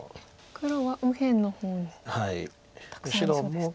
黒は右辺の方たくさんありそうですね。